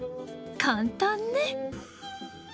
簡単ね。